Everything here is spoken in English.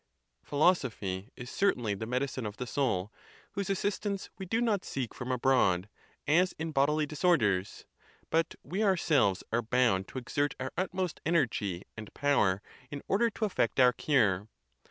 Philosophy is certainly the medicine of the soul, whose assistance we do not seek from abroad, as in bodily disorders, but we ourselves are bound to exert our utmost energy and power in order to effect our cure.